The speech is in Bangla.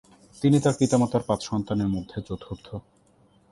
তিনি তার পিতামাতার পাঁচ সন্তানের মধ্যে চতুর্থ।